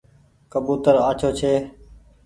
ڪبوتر آڇو ڇي۔